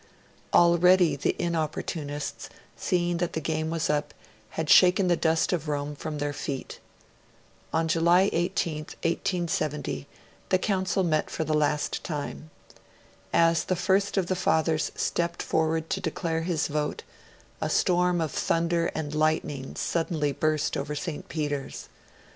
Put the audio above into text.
Already the Inopportunists, seeing that the game was up, had shaken the dust of Rome from their feet. On July 18th, 1870, the Council met for the last time. As the first of the Fathers stepped forward to declare his vote, a storm of thunder and lightning suddenly burst over St. Peter's.